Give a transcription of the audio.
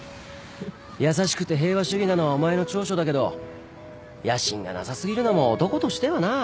優しくて平和主義なのはお前の長所だけど野心がなさ過ぎるのも男としてはな。